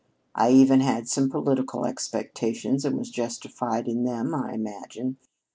I even had some political expectations, and was justified in them, I imagine.